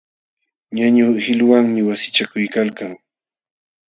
Ñañu qiluwanmi wasichakuykalkan.